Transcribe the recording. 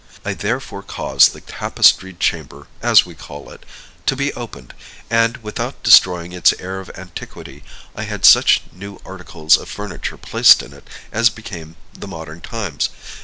"I therefore caused the Tapestried Chamber, as we call it, to be opened; and, without destroying its air of antiquity, I had such new articles of furniture placed in it as became the modern times.